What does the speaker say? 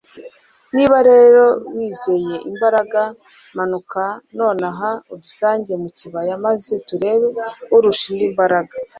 niba rero wizeye imbaraga, manuka nonaha udusange mu kibaya maze turebe urusha undi imbaraga